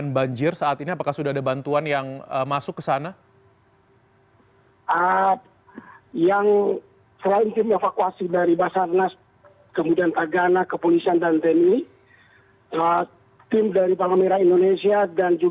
namun di titik lokasi bencana hanya menunggu belum ada hujan beras seperti semalam yang mengakibatkan banjir bandang itu